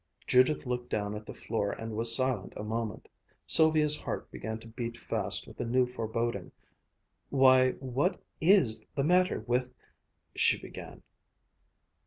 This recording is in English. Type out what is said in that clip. Judith looked down at the floor and was silent a moment. Sylvia's heart began to beat fast with a new foreboding. "Why, what is the matter with " she began.